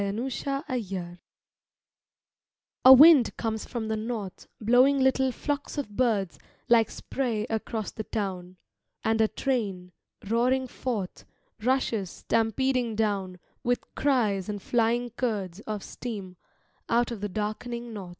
PATIENCE A WIND comes from the north Blowing little flocks of birds Like spray across the town, And a train, roaring forth, Rushes stampeding down With cries and flying curds Of steam, out of the darkening north.